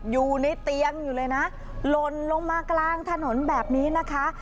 อยู่ในเตียงอยู่เลยนะหล่นลงมากลางถนนแบบนี้นะคะ